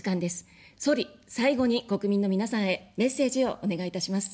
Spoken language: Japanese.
総理、最後に国民の皆さんへメッセージをお願いいたします。